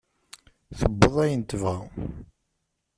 Tewweḍ ayen tebɣa.